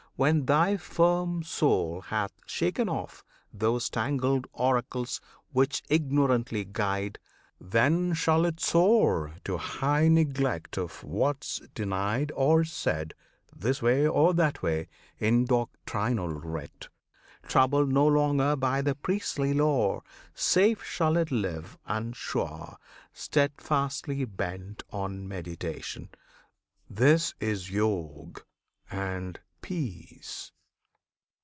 When thy firm soul Hath shaken off those tangled oracles Which ignorantly guide, then shall it soar To high neglect of what's denied or said, This way or that way, in doctrinal writ. Troubled no longer by the priestly lore, Safe shall it live, and sure; steadfastly bent On meditation. This is Yog and Peace!